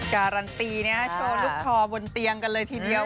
การันตีโชว์ลูกคอบนเตียงกันเลยทีเดียว